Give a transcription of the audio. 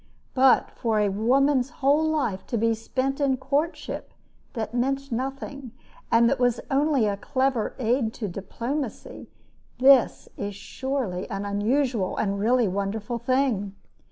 But for a woman's whole life to be spent in courtship that meant nothing and that was only a clever aid to diplomacy this is surely an unusual and really wonderful thing.